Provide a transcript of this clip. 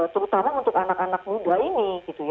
terutama untuk anak anak muda ini